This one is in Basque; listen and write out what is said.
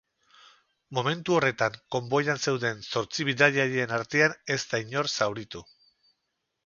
Momentu horretan konboian zeuden zortzi bidaiarien artean ez da inor zauritu.